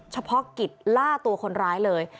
เฉพาะกิจล่าตัวคนร้ายเลย